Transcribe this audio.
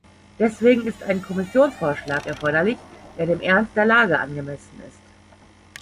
Deswegen ist ein Kommissionsvorschlag erforderlich, der dem Ernst der Lage angemessen ist.